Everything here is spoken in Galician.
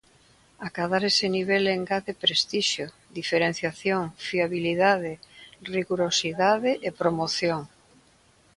Acadar ese nivel engade prestixio, diferenciación, fiabilidade, rigorosidade e promoción.